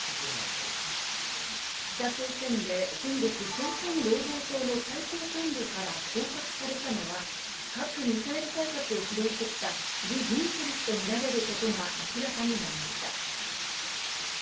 北朝鮮で先月、朝鮮労働党の最高幹部から降格されたのは、核・ミサイル開発を主導してきたリ・リョンチョル氏と見られることが明らかになりました。